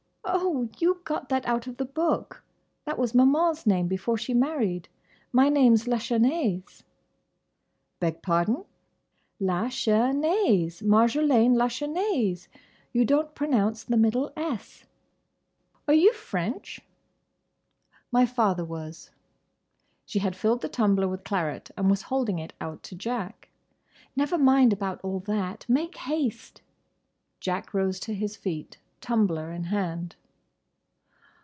Oh! you got that out of the book! That was Maman's name before she married. My name's Lachesnais." "Beg pardon?" "La ches nais. Marjolaine Lachesnais. You don't pronounce the middle s." "Are you French?" "My father was." She had filled the tumbler with claret and was holding it out to Jack. "Never mind about all that. Make haste." Jack rose to his feet, tumbler in hand.